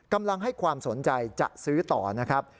กำลังให้ความสนใจจะซื้อต่อนะครับ